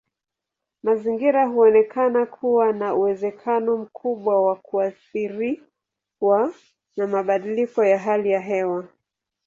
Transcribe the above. Mazingira huonekana kuwa na uwezekano mkubwa wa kuathiriwa na mabadiliko ya hali ya hewa.